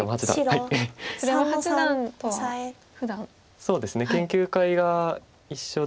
そうですね研究会が一緒で。